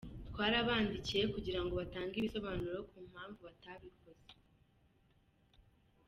Twarabandikiye kugira ngo batange ibisobanuro ku mpamvu batabikoze.